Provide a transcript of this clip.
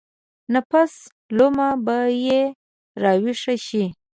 نفس لوامه به يې راويښ شي.